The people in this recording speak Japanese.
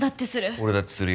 俺だってするよ